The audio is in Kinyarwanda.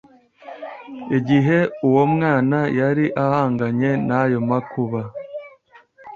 Igihe uwo mwana yari ahanganye n’ayo makuba